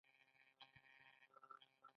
آیا د لرګیو فابریکې د سیندونو په غاړه نه وې؟